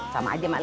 sama aja mak